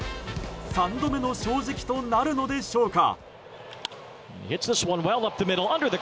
三度目の正直となるのでしょうか。